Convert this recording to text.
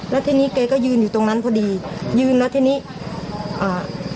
แล้วทีนี้แกก็ยืนอยู่ตรงนั้นพอดียืนแล้วทีนี้อ่า